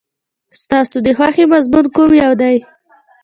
ستاسو د خوښې مضمون کوم یو دی؟